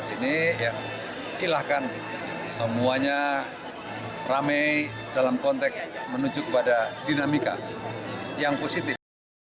ini silahkan semuanya rame dalam konteks menuju kepada dinamika yang positif